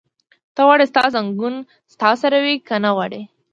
ته غواړې ستا ځنګون ستا سره وي؟ که نه غواړې؟